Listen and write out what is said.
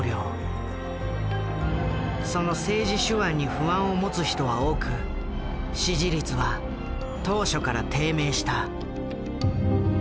その政治手腕に不安を持つ人は多く支持率は当初から低迷した。